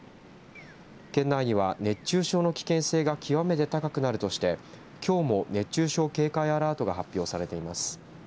県内には熱中症の危険性が極めて高くなるとしてきょうも熱中症警戒アラートが発表されています。